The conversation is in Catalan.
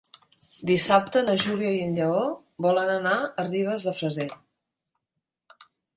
Dissabte na Júlia i en Lleó volen anar a Ribes de Freser.